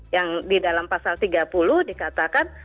yang di dalam pasal tiga puluh dikatakan